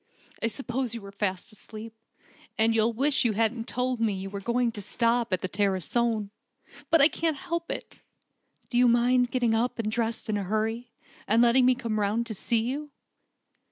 "I suppose you were fast asleep, and you'll wish you hadn't told me you were going to stop at the Tarascon. But I can't help it! Do you mind getting up and dressing in a hurry, and letting me come round to see you?"